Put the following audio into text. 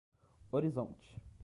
Horizonte